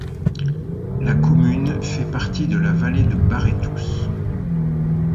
La commune fait partie de la vallée de Barétous.